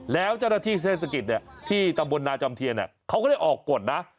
แล้วเจ้าหน้าที่เทศกิจที่ตำบลนาจอมเทียนเขาก็ได้ออกกฎนะ